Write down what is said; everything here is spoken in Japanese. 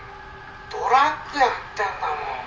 ドラッグやってんだもん。